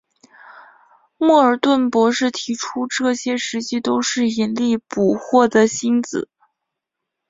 莫尔顿博士提出这些实际都是引力捕获的星子。